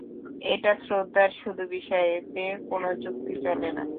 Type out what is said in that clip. এটা শ্রদ্ধার শুধু বিষয়, এতে কোন যুক্তি চলে না।